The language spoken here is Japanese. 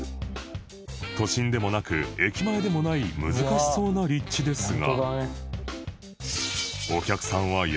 都心でもなく駅前でもない難しそうな立地ですが